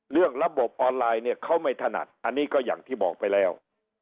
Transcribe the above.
เรื่องระบบออนไลน์เนี่ยเขาไม่ถนัดอันนี้ก็อย่างที่บอกไปแล้ว